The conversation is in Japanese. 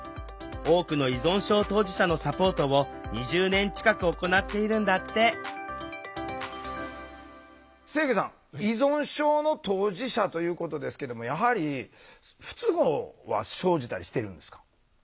多くの依存症当事者のサポートを２０年近く行っているんだって清家さん依存症の当事者ということですけどもやはり不都合は生じたりしてるんですか？